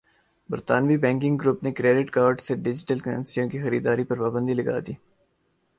برطانوی banking group نے credit card سے ڈیجیٹل کرنسیوں کی خریداری پرپابندی لگادی